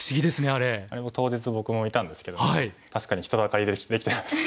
あれ当日僕もいたんですけど確かに人だかりできてました。